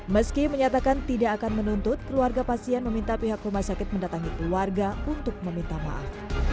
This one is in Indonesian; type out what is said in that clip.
meski menyatakan tidak akan menuntut keluarga pasien meminta pihak rumah sakit mendatangi keluarga untuk meminta maaf